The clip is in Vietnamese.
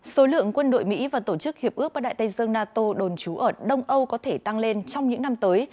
số lượng quân đội mỹ và tổ chức hiệp ước bắc đại tây dương nato đồn trú ở đông âu có thể tăng lên trong những năm tới